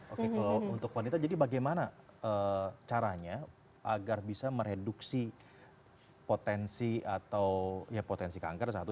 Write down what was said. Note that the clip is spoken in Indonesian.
oke kalau untuk wanita jadi bagaimana caranya agar bisa mereduksi potensi atau ya potensi kanker